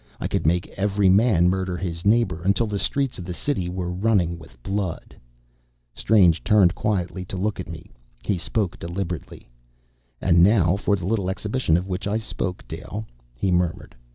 I could make every man murder his neighbor, until the streets of the city were running with blood!" Strange turned quietly to look at me. He spoke deliberately. "And now for the little exhibition of which I spoke, Dale," he murmured.